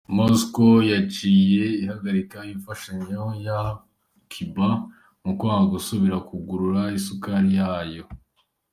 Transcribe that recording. Moscow yaciye ihagarika imfashanyo yaha Cuba mu kwanka gusubira kugura isukari yayo.